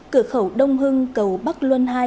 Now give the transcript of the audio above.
cửa khẩu đông hưng cầu bắc luân hai